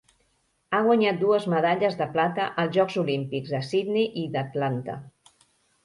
Ha guanyat dues medalles de plata als Jocs Olímpics de Sydney i d'Atlanta.